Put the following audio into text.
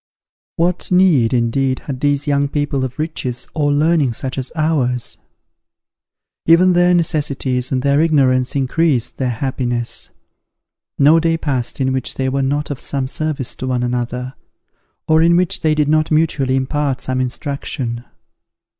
What need, indeed, had these young people of riches or learning such as ours? Even their necessities and their ignorance increased their happiness. No day passed in which they were not of some service to one another, or in which they did not mutually impart some instruction.